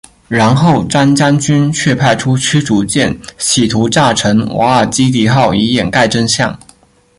然后张将军却派出驱逐舰企图炸沉瓦尔基里号以掩盖真相。